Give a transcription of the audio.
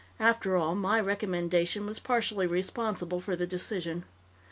"After all, my recommendation was partially responsible for the decision."